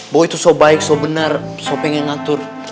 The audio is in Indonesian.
boy tuh so baik so benar so pengen ngatur